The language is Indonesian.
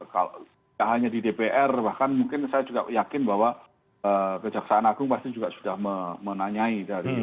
kalau tidak hanya di dpr bahkan mungkin saya juga yakin bahwa kejaksaan agung pasti juga sudah menanyai